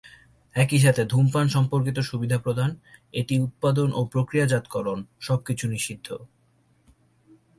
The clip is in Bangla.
একই সাথে ধূমপান সম্পর্কিত সুবিধা প্রদান, এটি উৎপাদন ও প্রক্রিয়াজাতকরণ সবকিছু নিষিদ্ধ।